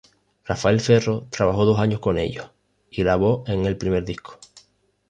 Rafael Ferro trabajó dos años con ellos y grabó en el primer disco.